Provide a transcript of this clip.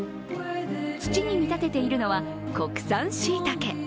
土に見立てているのは国産しいたけ。